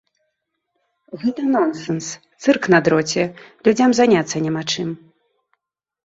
Гэта нонсенс, цырк на дроце, людзям заняцца няма чым!